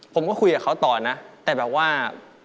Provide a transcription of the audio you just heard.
ผมก็คุยกับเขาต่อนะแต่แบบว่า